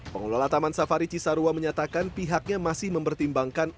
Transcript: pengelola taman safari cisarua menyatakan pihaknya masih mempertimbangkan